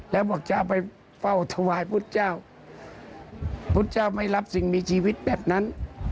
แล้วบอกจะเอาไปเฝ้าถวายพุทธเจ้าพระพุทธเจ้าไม่รับสิ่งมีชีวิตแบบนั้น